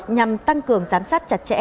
nhằm tăng cường giám sát chặt chẽ